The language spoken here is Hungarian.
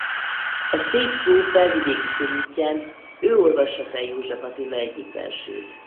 A Szép Szó felvidéki körútján ő olvassa fel József Attila egyik versét.